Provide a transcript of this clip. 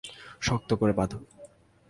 শক্ত করে বাঁধো!